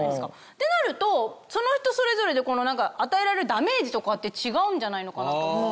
ってなるとその人それぞれで与えられるダメージとかって違うんじゃないのかなと。